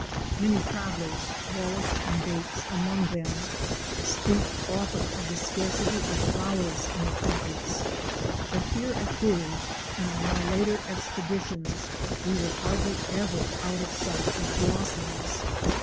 Many travellers — Wallace and Bates among them — speak often of the scarcity of flowers in the tropics, but here at Hoorie and on our later expeditions we were hardly ever out of sight of blossoms.